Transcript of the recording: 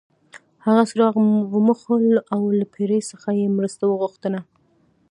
هغه څراغ وموښلو او له پیري څخه یې مرسته وغوښته.